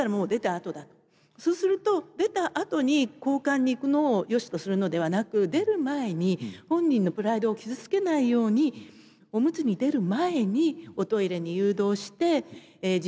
そうすると出たあとに交換に行くのをよしとするのではなく出る前に本人のプライドを傷つけないようにおむつに出る前におトイレに誘導して自尊心を保ちながら介護ができる。